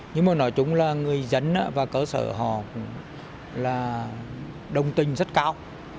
nhưng mà nói chung là người dân và cơ sở họ cũng là đồng tình rất cao